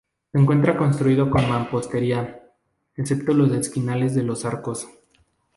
Se encuentra construido con mampostería, excepto los esquinales de los arcos.